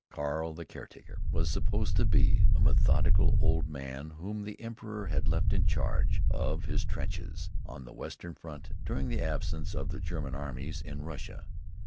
"Carl the caretaker" was supposed to be a methodical old man whom the Emperor had left in charge of his trenches on the western front during the absence of the German armies in Russia.